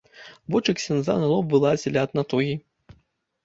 Вочы ксяндза на лоб вылазілі ад натугі.